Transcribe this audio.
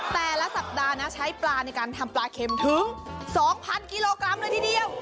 แต่ละสัปดาห์นะใช้ปลาในการทำปลาเข็มถึง๒๐๐กิโลกรัมเลยทีเดียว